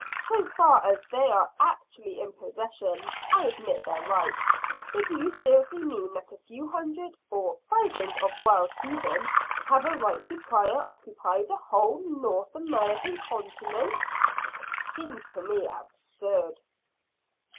So far as they are actually in possession, I admit their right. But do you seriously mean that a few hundred or thousand of wild heathen, have a right to prior occupancy to the whole North American continent? It seems to me absurd?"